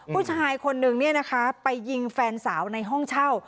ผู้ชายคนนึงเนี่ยนะคะไปยิงแฟนสาวในห้องเช่า